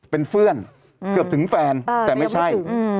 เป็นเพื่อนเกือบถึงแฟนแต่ไม่ใช่